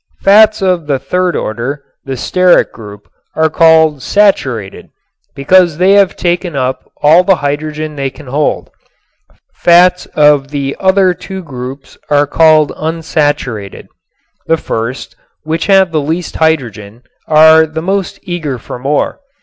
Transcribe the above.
Fats of the third order, the stearic group, are called "saturated" because they have taken up all the hydrogen they can hold. Fats of the other two groups are called "unsaturated." The first, which have the least hydrogen, are the most eager for more.